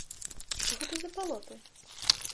Што гэта за балоты?